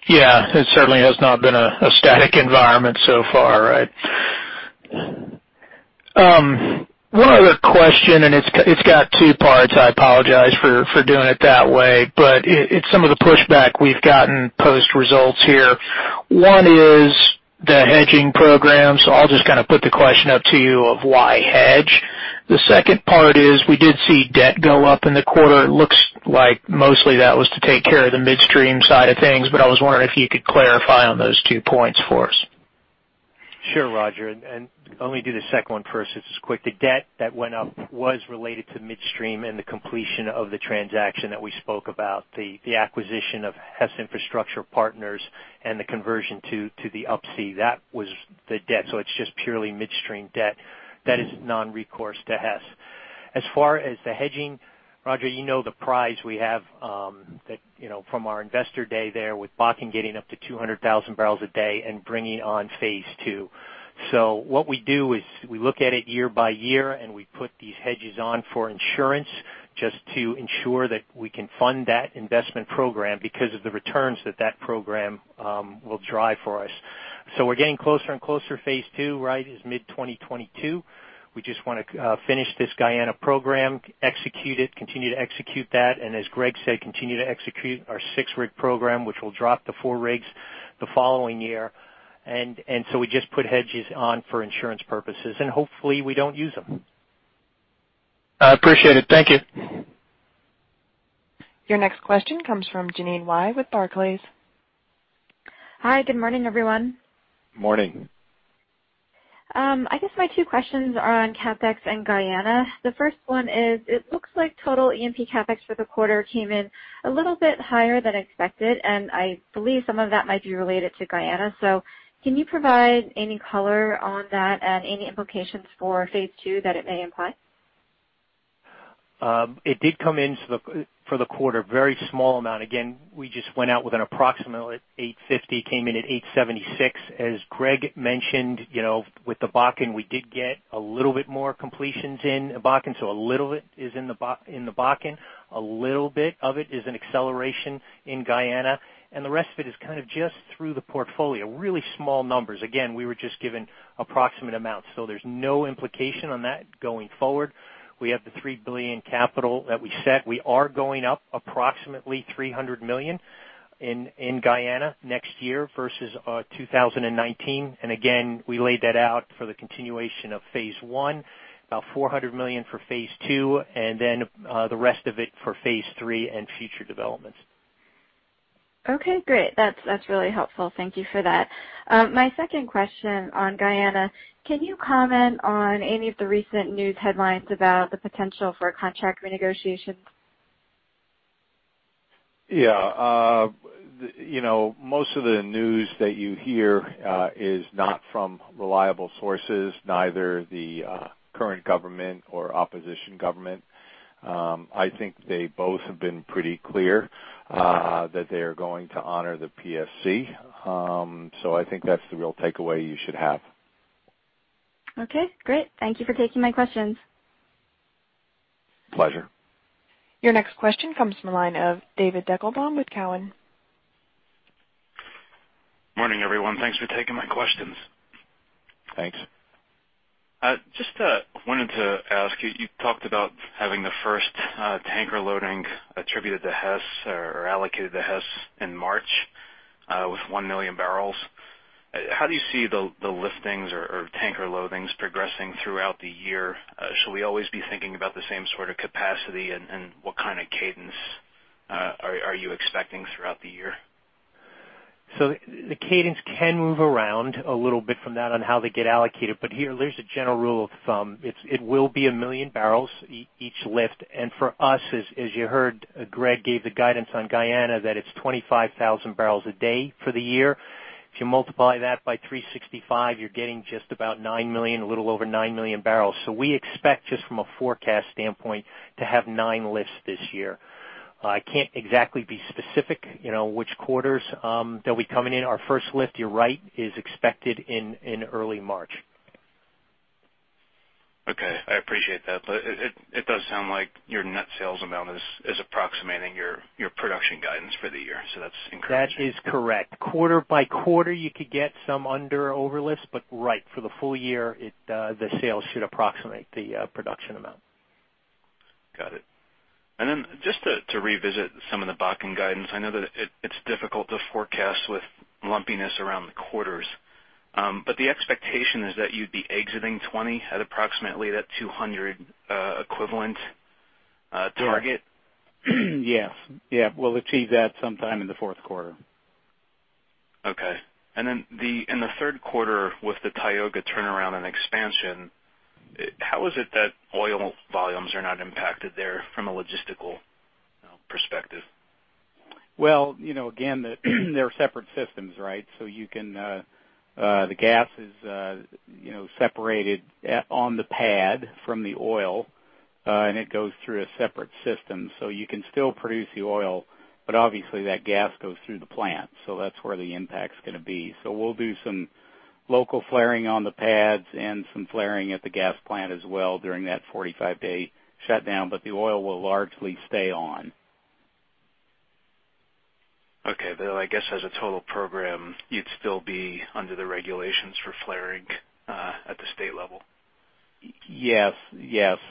Yeah. It certainly has not been a static environment so far, right? One other question, and it's got two parts. I apologize for doing it that way, but it's some of the pushback we've gotten post results here. One is the hedging program. I'll just put the question up to you of why hedge? The second part is we did see debt go up in the quarter. It looks like mostly that was to take care of the midstream side of things, but I was wondering if you could clarify on those two points for us. Sure, Roger. Let me do the second one first. It's quick. The debt that went up was related to midstream and the completion of the transaction that we spoke about, the acquisition of Hess Infrastructure Partners and the conversion to the Up-C. That was the debt. It's just purely midstream debt that is non-recourse to Hess. As far as the hedging, Roger, you know the prize we have from our investor day there with Bakken getting up to 200,000 barrels a day and bringing on Phase 2. What we do is we look at it year by year, and we put these hedges on for insurance just to ensure that we can fund that investment program because of the returns that that program will drive for us. We're getting closer and closer to Phase 2. Right? It's mid-2022. We just want to finish this Guyana program, execute it, continue to execute that, as Greg said, continue to execute our six-rig program, which will drop to four rigs the following year. We just put hedges on for insurance purposes, and hopefully we don't use them. I appreciate it. Thank you. Your next question comes from Jeanine Wai with Barclays. Hi, good morning, everyone. Morning. I guess my two questions are on CapEx and Guyana. The first one is, it looks like total E&P CapEx for the quarter came in a little bit higher than expected, and I believe some of that might be related to Guyana. Can you provide any color on that and any implications for phase two that it may imply? It did come in for the quarter, very small amount. We just went out with an approximate $850, came in at $876. As Greg mentioned, with the Bakken, we did get a little bit more completions in Bakken, so a little bit is in the Bakken. A little bit of it is an acceleration in Guyana, and the rest of it is just through the portfolio. Really small numbers. We were just given approximate amounts, so there's no implication on that going forward. We have the $3 billion capital that we set. We are going up approximately $300 million in Guyana next year versus 2019. We laid that out for the continuation of phase 1, about $400 million for phase 2, and then the rest of it for phase 3 and future developments. Okay, great. That's really helpful. Thank you for that. My second question on Guyana, can you comment on any of the recent news headlines about the potential for contract renegotiation? Yeah. Most of the news that you hear is not from reliable sources, neither the current government or opposition government. I think they both have been pretty clear that they are going to honor the PSC. I think that's the real takeaway you should have. Okay, great. Thank you for taking my questions. Pleasure. Your next question comes from the line of David Deckelbaum with Cowen. Morning, everyone. Thanks for taking my questions. Thanks. Just wanted to ask you talked about having the first tanker loading attributed to Hess or allocated to Hess in March with 1 million barrels. How do you see the liftings or tanker loadings progressing throughout the year? Should we always be thinking about the same sort of capacity, and what kind of cadence are you expecting throughout the year? The cadence can move around a little bit from that on how they get allocated. Here, there's a general rule of thumb. It will be 1 million barrels each lift. For us, as you heard, Greg gave the guidance on Guyana that it's 25,000 barrels a day for the year. If you multiply that by 365, you're getting just about 9 million, a little over 9 million barrels. We expect just from a forecast standpoint to have nine lifts this year. I can't exactly be specific which quarters they'll be coming in. Our first lift, you're right, is expected in early March. Okay, I appreciate that. It does sound like your net sales amount is approximating your production guidance for the year. That's encouraging. That is correct. Quarter by quarter, you could get some under over lifts, but right, for the full year, the sales should approximate the production amount. Got it. Just to revisit some of the Bakken guidance, I know that it's difficult to forecast with lumpiness around the quarters. The expectation is that you'd be exiting 2020 at approximately that 200 equivalent target? Yes. We'll achieve that sometime in the fourth quarter. Okay. In the third quarter with the Tioga turnaround and expansion, how is it that oil volumes are not impacted there from a logistical perspective? Well, again, they're separate systems, right? The gas is separated on the pad from the oil, and it goes through a separate system. You can still produce the oil, but obviously that gas goes through the plant, so that's where the impact's going to be. We'll do some local flaring on the pads and some flaring at the gas plant as well during that 45-day shutdown, but the oil will largely stay on. Okay. I guess as a total program, you'd still be under the regulations for flaring at the state level. Yes.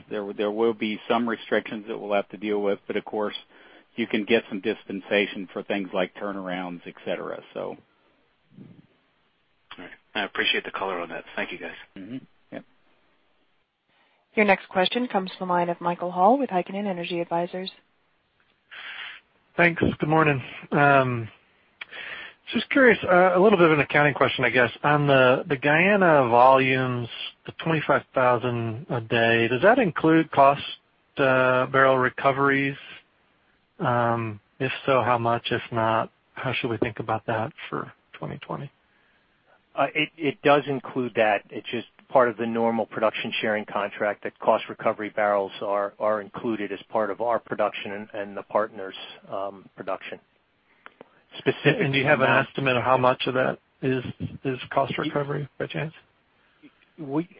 There will be some restrictions that we'll have to deal with, but of course, you can get some dispensation for things like turnarounds, et cetera. All right. I appreciate the color on that. Thank you, guys. Mm-hmm. Yep. Your next question comes from the line of Michael Hall with Heikkinen Energy Advisors. Thanks. Good morning. Just curious, a little bit of an accounting question, I guess. On the Guyana volumes, the 25,000 a day, does that include cost barrel recoveries? If so, how much? If not, how should we think about that for 2020? It does include that. It's just part of the normal production sharing contract that cost recovery barrels are included as part of our production and the partners' production. Do you have an estimate of how much of that is cost recovery, by chance?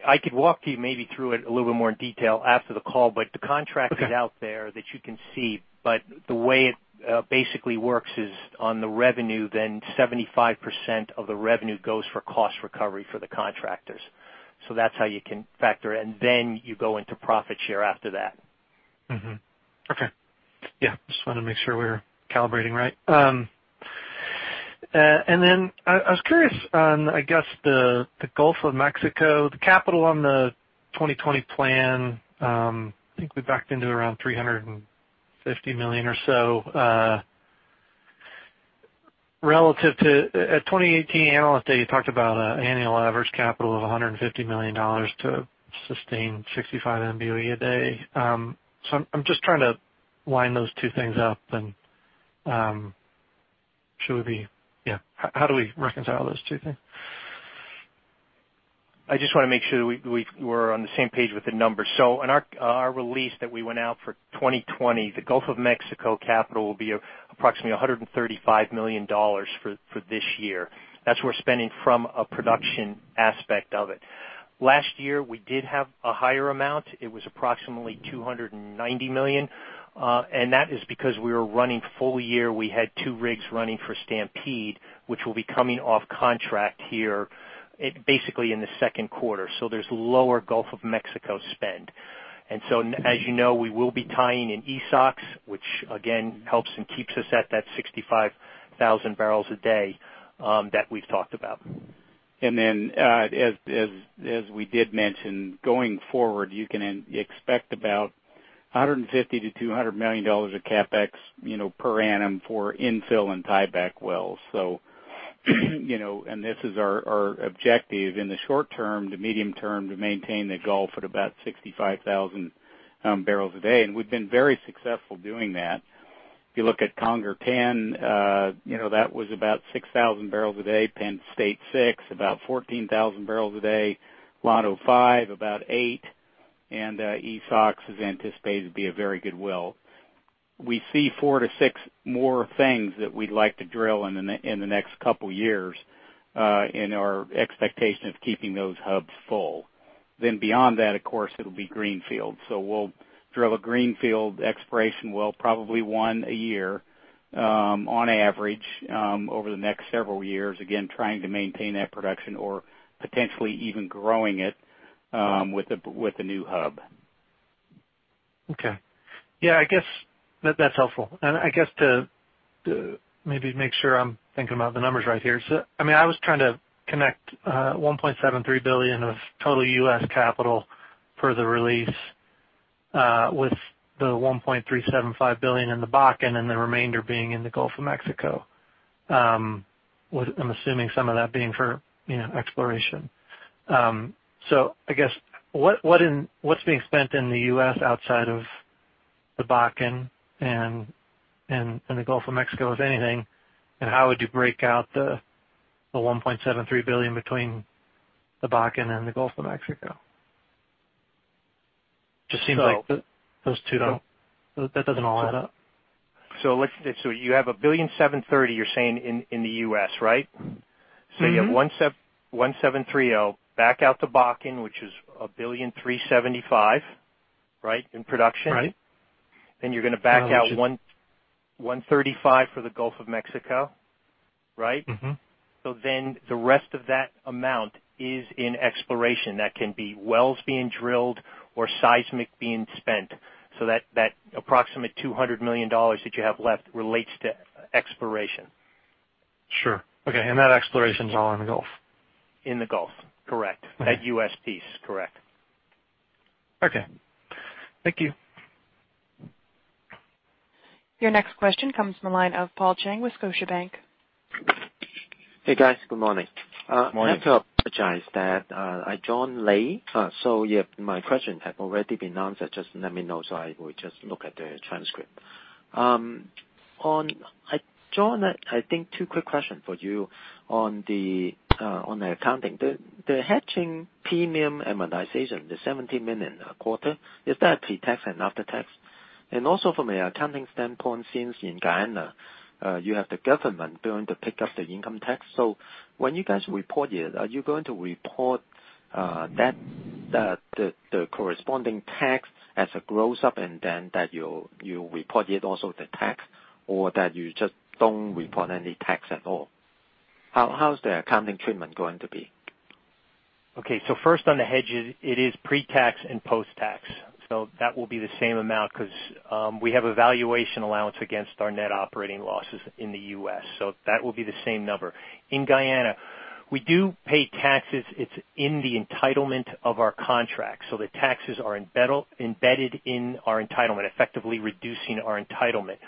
I could walk you maybe through it a little bit more in detail after the call. Okay is out there that you can see. The way it basically works is on the revenue, then 75% of the revenue goes for cost recovery for the contractors. That's how you can factor it, and then you go into profit share after that. Mm-hmm. Okay. Yeah. Just wanted to make sure we were calibrating right. I was curious on, I guess, the Gulf of Mexico, the capital on the 2020 plan. I think we backed into around $350 million or so. At 2018 Analyst Day, you talked about an annual average capital of $150 million to sustain 65 MBOE a day. I'm just trying to line those two things up. How do we reconcile those two things? I just want to make sure that we're on the same page with the numbers. In our release that we went out for 2020, the Gulf of Mexico capital will be approximately $135 million for this year. That's we're spending from a production aspect of it. Last year, we did have a higher amount. It was approximately $290 million. That is because we were running full year, we had two rigs running for Stampede, which will be coming off contract here, basically in the second quarter. There's lower Gulf of Mexico spend. As you know, we will be tying in Esox, which again, helps and keeps us at that 65,000 barrels a day that we've talked about. Then, as we did mention, going forward, you can expect about $150 million-$200 million of CapEx per annum for infill and tieback wells. This is our objective in the short-term to medium-term, to maintain the Gulf at about 65,000 barrels a day. We've been very successful doing that. If you look at Conger 10, that was about 6,000 barrels a day. Penn State six, about 14,000 barrels a day. Llano-5, about eight. Esox is anticipated to be a very good well. We see four to six more things that we'd like to drill in the next couple of years, in our expectation of keeping those hubs full. Beyond that, of course, it'll be greenfield. We'll drill a greenfield exploration well, probably one a year, on average, over the next several years, again, trying to maintain that production or potentially even growing it with a new hub. Okay. Yeah, I guess that's helpful. I guess to maybe make sure I'm thinking about the numbers right here. I was trying to connect $1.73 billion of total U.S. capital per the release, with the $1.375 billion in the Bakken, and then the remainder being in the Gulf of Mexico. I'm assuming some of that being for exploration. I guess, what's being spent in the U.S. outside of the Bakken and in the Gulf of Mexico, if anything, and how would you break out the $1.73 billion between the Bakken and the Gulf of Mexico? Just seems like That doesn't all add up. You have $1.73 billion, you're saying in the U.S., right? You have 1,730 back out the Bakken, which is $1.375 billion, right, in production? Right. you're going to back out $135 for the Gulf of Mexico, right? The rest of that amount is in exploration. That can be wells being drilled or seismic being spent. That approximate $200 million that you have left relates to exploration. Sure. Okay, that exploration's all in the Gulf. In the Gulf. Correct. That U.S. piece. Correct. Okay. Thank you. Your next question comes from the line of Paul Cheng with Scotiabank. Hey, guys. Good morning. Morning. I have to apologize that I joined late, so if my question had already been answered, just let me know so I will just look at the transcript. John, I think two quick question for you on the accounting. The hedging premium amortization, the $17 million a quarter, is that pre-tax and after tax? Also from an accounting standpoint, since in Guyana, you have the government going to pick up the income tax. When you guys report it, are you going to report the corresponding tax as a gross up and then that you report it also the tax, or that you just don't report any tax at all? How's the accounting treatment going to be? First on the hedges, it is pre-tax and post-tax. That will be the same amount because we have a valuation allowance against our net operating losses in the U.S. That will be the same number. In Guyana, we do pay taxes. It's in the entitlement of our contract. The taxes are embedded in our entitlement, effectively reducing our entitlement.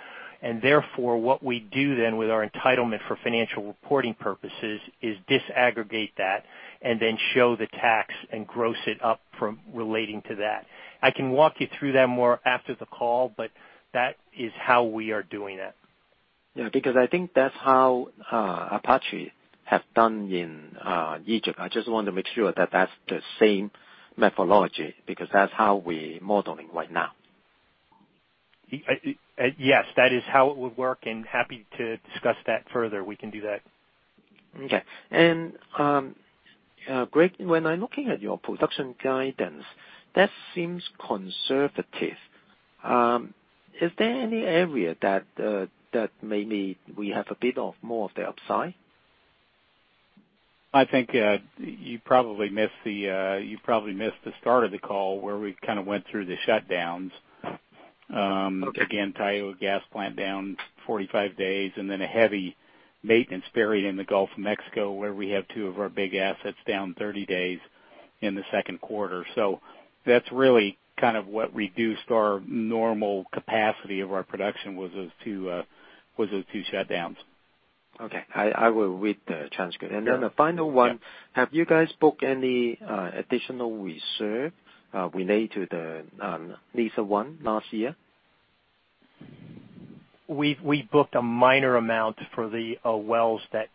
Therefore, what we do then with our entitlement for financial reporting purposes is disaggregate that and then show the tax and gross it up from relating to that. I can walk you through that more after the call. That is how we are doing it. Yeah, I think that's how Apache have done in Egypt. I just want to make sure that's the same methodology because that's how we modeling right now. Yes. That is how it would work and happy to discuss that further. We can do that. Okay. Greg, when I'm looking at your production guidance, that seems conservative. Is there any area that maybe we have a bit of more of the upside? I think you probably missed the start of the call where we went through the shutdowns. Okay. Again, Tioga gas plant down 45 days, and then a heavy maintenance period in the Gulf of Mexico, where we have two of our big assets down 30 days in the second quarter. That's really what reduced our normal capacity of our production was those two shutdowns. Okay. I will read the transcript. Yeah. The final one, have you guys booked any additional reserve related to the Liza One last year? We booked a minor amount for the wells that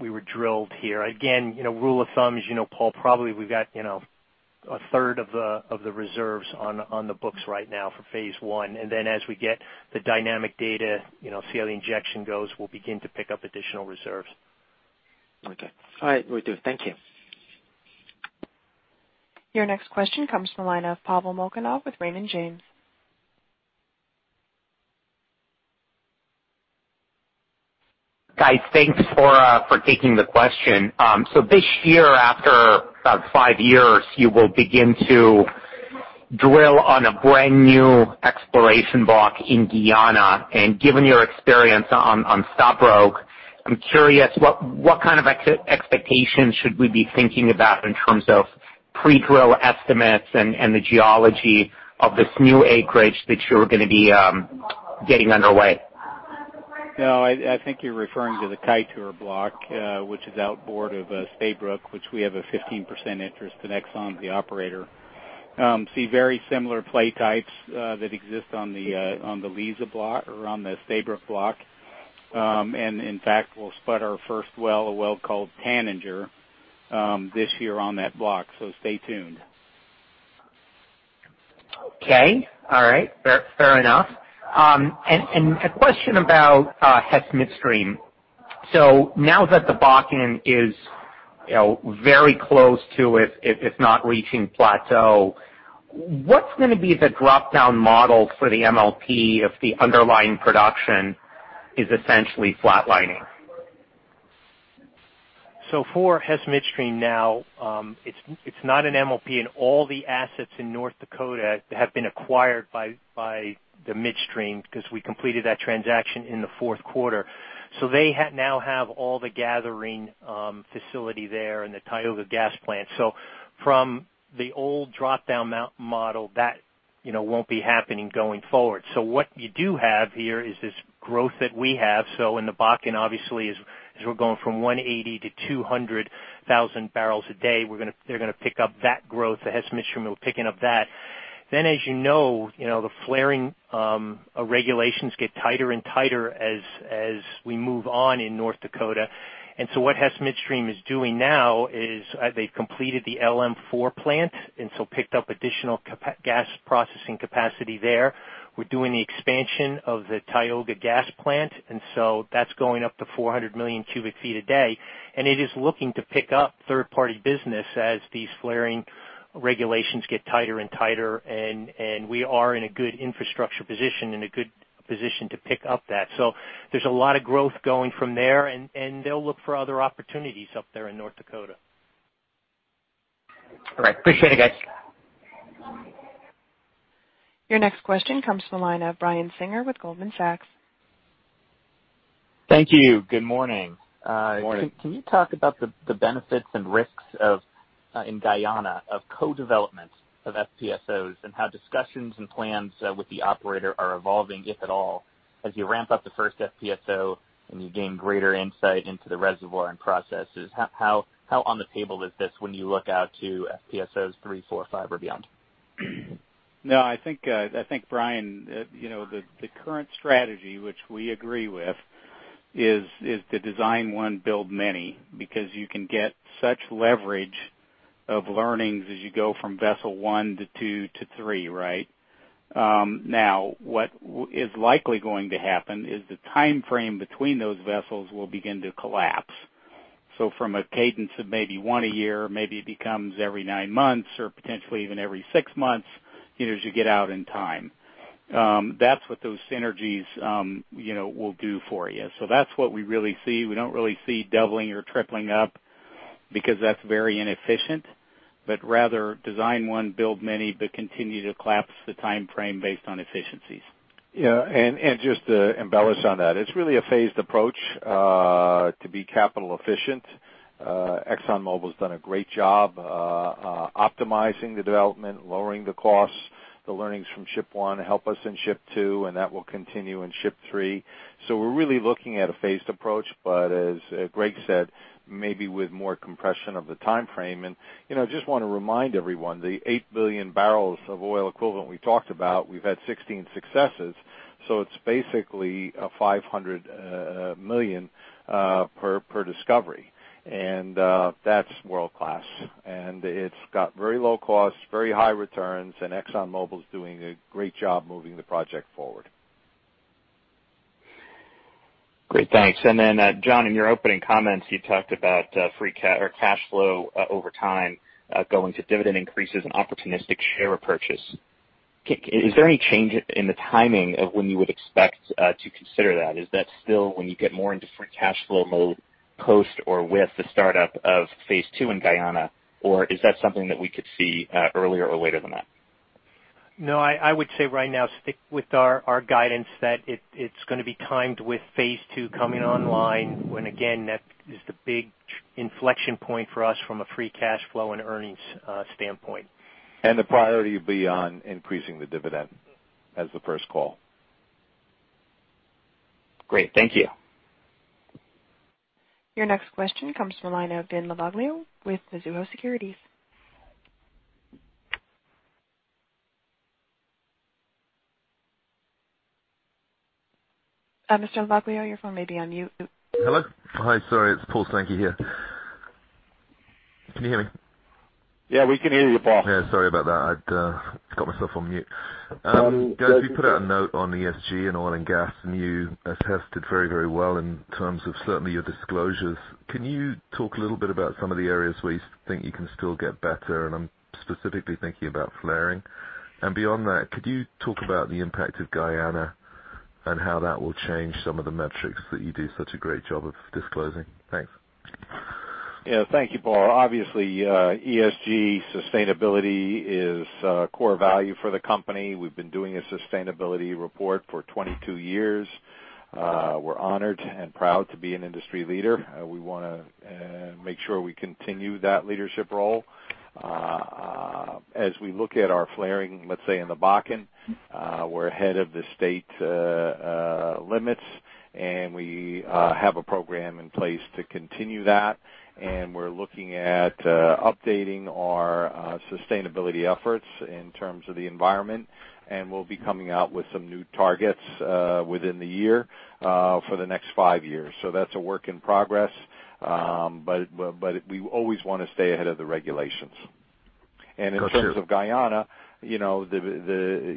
we were drilled here. Again, rule of thumb is, Paul, probably we've got a third of the reserves on the books right now for Phase One. As we get the dynamic data, see how the injection goes, we'll begin to pick up additional reserves. Okay. All right. Will do. Thank you. Your next question comes from the line of Pavel Molchanov with Raymond James. Guys, thanks for taking the question. This year, after about five years, you will begin to drill on a brand new exploration block in Guyana. Given your experience on Stabroek, I'm curious, what kind of expectations should we be thinking about in terms of pre-drill estimates and the geology of this new acreage that you're going to be getting underway? No, I think you're referring to the Kaieteur Block, which is outboard of Stabroek, which we have a 15% interest, ExxonMobil's the operator. See very similar play types that exist on the Liza Block or on the Stabroek Block. In fact, we'll spud our first well, a well called Tanager, this year on that Block. Stay tuned. Okay. All right. Fair enough. A question about Hess Midstream. Now that the Bakken is very close to, if it's not reaching plateau, what's going to be the drop-down model for the MLP if the underlying production is essentially flatlining? For Hess Midstream now, it's not an MLP, and all the assets in North Dakota have been acquired by the midstream because we completed that transaction in the fourth quarter. They now have all the gathering facility there and the Tioga Gas Plant. From the old drop-down model, that won't be happening going forward. What you do have here is this growth that we have. In the Bakken, obviously, as we're going from 180 to 200,000 barrels a day, they're going to pick up that growth. Hess Midstream will be picking up that. As you know, the flaring regulations get tighter and tighter as we move on in North Dakota. What Hess Midstream is doing now is they've completed the LM4 plant, and so picked up additional gas processing capacity there. We're doing the expansion of the Tioga Gas Plant, that's going up to 400 million cubic feet a day. It is looking to pick up third-party business as these flaring regulations get tighter and tighter, and we are in a good infrastructure position and a good position to pick up that. There's a lot of growth going from there, and they'll look for other opportunities up there in North Dakota. All right. Appreciate it, guys. Your next question comes from the line of Brian Singer with Goldman Sachs. Thank you. Good morning. Morning. Can you talk about the benefits and risks in Guyana of co-development of FPSOs and how discussions and plans with the operator are evolving, if at all, as you ramp up the first FPSO and you gain greater insight into the reservoir and processes? How on the table is this when you look out to FPSOs three, four, five or beyond? No, I think, Brian, the current strategy, which we agree with, is the design one build many, because you can get such leverage of learnings as you go from vessel one to two to three, right? What is likely going to happen is the timeframe between those vessels will begin to collapse. From a cadence of maybe one a year, maybe it becomes every nine months or potentially even every six months, as you get out in time. That's what those synergies will do for you. That's what we really see. We don't really see doubling or tripling up because that's very inefficient, but rather design one, build many, but continue to collapse the timeframe based on efficiencies. Yeah, just to embellish on that, it's really a phased approach to be capital efficient. ExxonMobil's done a great job optimizing the development, lowering the costs. The learnings from ship one help us in ship two, and that will continue in ship three. We're really looking at a phased approach, but as Greg said, maybe with more compression of the timeframe. I just want to remind everyone, the 8 billion barrels of oil equivalent we talked about, we've had 16 successes, so it's basically $500 million per discovery. That's world-class. It's got very low costs, very high returns, and ExxonMobil's doing a great job moving the project forward. Great. Thanks. John, in your opening comments, you talked about cash flow over time going to dividend increases and opportunistic share repurchase. Is there any change in the timing of when you would expect to consider that? Is that still when you get more into free cash flow mode post or with the startup of Phase 2 in Guyana? Is that something that we could see earlier or later than that? No, I would say right now stick with our guidance that it's going to be timed with phase 2 coming online, when again, that is the big inflection point for us from a free cash flow and earnings standpoint. The priority will be on increasing the dividend as the first call. Great. Thank you. Your next question comes from the line of Vin Lovaglio with Mizuho Securities. Mr. Imbach, your phone may be on mute. Hello? Hi, sorry, it's Paul Sankey here. Can you hear me? Yeah, we can hear you, Paul. Yeah, sorry about that. I'd got myself on mute. Guys, you put out a note on ESG and oil and gas, and you attested very well in terms of certainly your disclosures. Can you talk a little bit about some of the areas where you think you can still get better? I'm specifically thinking about flaring. Beyond that, could you talk about the impact of Guyana and how that will change some of the metrics that you do such a great job of disclosing? Thanks. Thank you, Paul. Obviously, ESG sustainability is a core value for the company. We've been doing a sustainability report for 22 years. We're honored and proud to be an industry leader. We want to make sure we continue that leadership role. As we look at our flaring, let's say in the Bakken, we're ahead of the state limits, and we have a program in place to continue that, and we're looking at updating our sustainability efforts in terms of the environment, and we'll be coming out with some new targets within the year for the next five years. That's a work in progress. We always want to stay ahead of the regulations. In terms of Guyana, the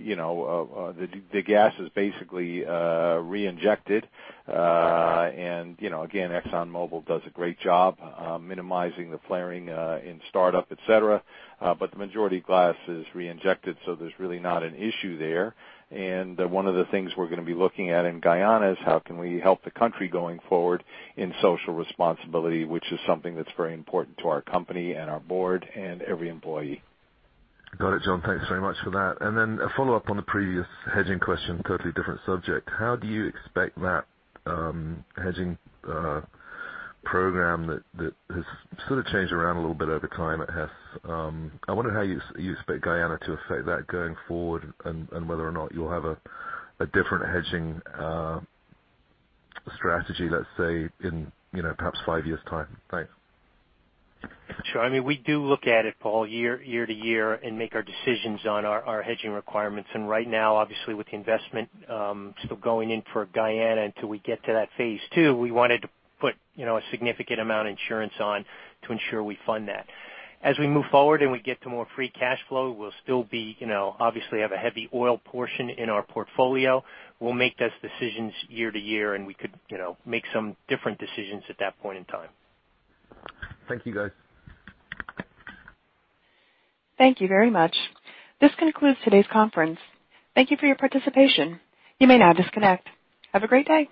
gas is basically reinjected. Again, ExxonMobil does a great job minimizing the flaring in startup, et cetera, but the majority of gas is reinjected, so there's really not an issue there. One of the things we're going to be looking at in Guyana is how can we help the country going forward in social responsibility, which is something that's very important to our company and our board and every employee. Got it, John. Thanks very much for that. A follow-up on the previous hedging question, totally different subject. How do you expect that hedging program that has sort of changed around a little bit over time at Hess, I wonder how you expect Guyana to affect that going forward and whether or not you'll have a different hedging strategy, let's say, in perhaps five years' time? Thanks. Sure. We do look at it, Paul, year to year and make our decisions on our hedging requirements. Right now, obviously, with the investment still going in for Guyana until we get to that phase two, we wanted to put a significant amount of insurance on to ensure we fund that. As we move forward and we get to more free cash flow, we'll still obviously have a heavy oil portion in our portfolio. We'll make those decisions year to year, and we could make some different decisions at that point in time. Thank you, guys. Thank you very much. This concludes today's conference. Thank you for your participation. You may now disconnect. Have a great day.